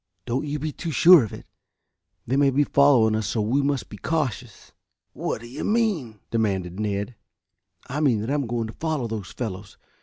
"Don't be too sure of it. They may be following us, so we must be cautious." "What do you mean?" demanded Ned. "I mean that I am going to follow those fellows.